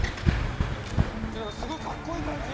何かすごいかっこいい感じ。